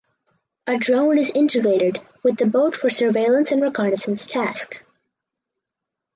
A drone is integrated with the boat for surveillance and reconnaissance task.